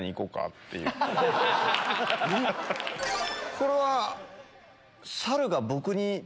これは。